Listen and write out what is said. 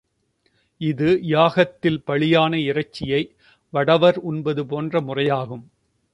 இது யாகத்தில் பலியான இறைச்சியை வடவர் உண்பது போன்ற முறையாகும்.